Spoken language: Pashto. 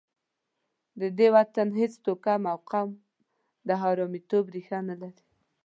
د دې وطن هېڅ توکم او قوم د حرامیتوب ریښه نه لري.